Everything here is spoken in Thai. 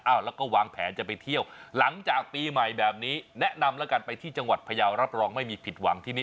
แล้วก็วางแผนจะไปเที่ยวหลังจากปีใหม่แบบนี้แนะนำแล้วกันไปที่จังหวัดพยาวรับรองไม่มีผิดหวังที่นี่